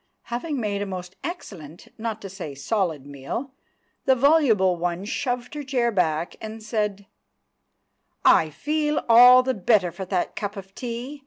Having made a most excellent, not to say solid, meal, the voluble one shoved her chair back and said— "I feel all the better for that cup of tea.